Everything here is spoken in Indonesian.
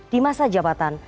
di masa jabatan